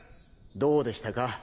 どうでしたか？